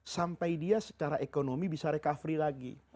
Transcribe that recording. sampai dia secara ekonomi bisa recovery lagi